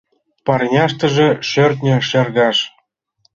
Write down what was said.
Парняштыже — шӧртньӧ шергаш